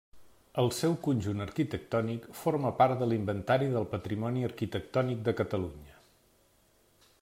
El seu conjunt arquitectònic forma part de l'Inventari del Patrimoni Arquitectònic de Catalunya.